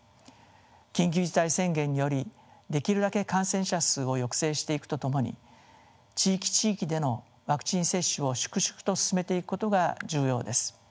緊急事態宣言によりできるだけ感染者数を抑制していくとともに地域地域でのワクチン接種を粛々と進めていくことが重要です。